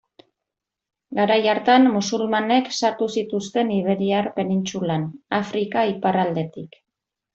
Garai hartan, musulmanek sartu zituzten Iberiar penintsulan, Afrika iparraldetik.